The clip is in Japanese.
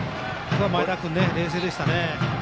前田君、冷静でした。